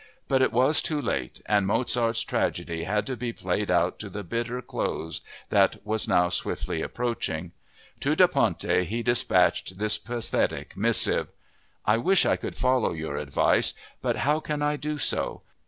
But it was too late and Mozart's tragedy had to be played out to the bitter close that was now swiftly approaching. To Da Ponte he dispatched this pathetic missive: "_I wish I could follow your advice, but how can I do so?